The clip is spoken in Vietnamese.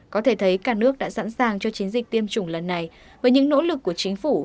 có thể thấy cả nước đã sẵn sàng cho chiến dịch tiêm chủng lần này với những nỗ lực của chính phủ